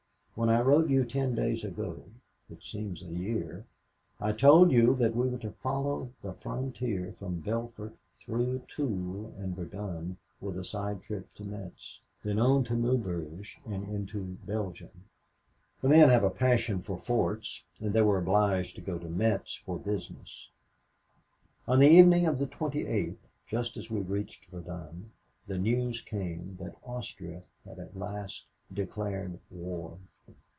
When I wrote you ten days ago it seems a year I told you that we were to follow the frontier from Belfort through Toul and Verdun with a side trip to Metz, then on to Maubeuge and into Belgium. The men have a passion for forts, and they were obliged to go to Metz for business. "On the evening of the 28th, just as we reached Verdun, the news came that Austria had at last declared war.